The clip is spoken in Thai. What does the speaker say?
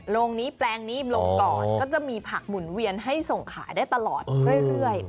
โรงนี้แปลงนี้ลงก่อนก็จะมีผักหมุนเวียนให้ส่งขายได้ตลอดเรื่อย